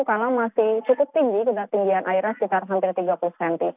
karena masih cukup tinggi tinggian airnya sekitar hampir tiga puluh cm